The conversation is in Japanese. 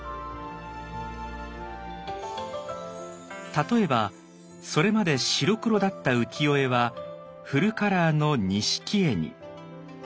例えばそれまで白黒だった浮世絵はフルカラーの錦絵に。